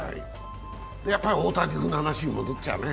やっぱり大谷君の話に戻っちゃうね。